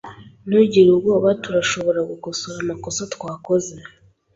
Ntugire ubwoba. Turashobora gukosora amakosa twakoze.